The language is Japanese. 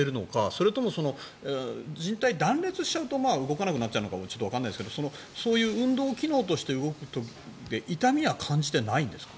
それとも、じん帯断裂しちゃうと動かなくなっちゃうのかわからないですがそういう運動機能として動く時って痛みは感じてないんですか。